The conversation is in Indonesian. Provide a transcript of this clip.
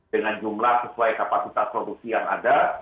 dengan jumlah sesuai kapasitas produksi yang ada